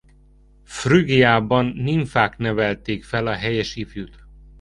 Phrügiában nimfák nevelték fel a helyes ifjút.